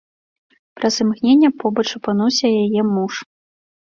Праз імгненне побач апынуўся яе муж.